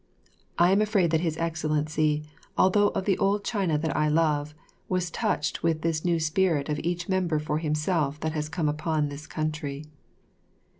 I am afraid that His Excellency, although of the old China that I love, was touched with this new spirit of each member for himself that has come upon this country.